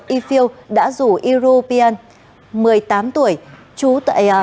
yifil đã rủ yifil nye một mươi tám tuổi